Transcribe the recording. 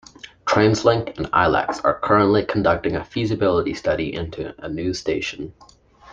Translink and Ilex are currently conducting a feasibility study into a new station.